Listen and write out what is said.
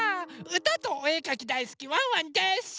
うたとおえかきだいすきワンワンです！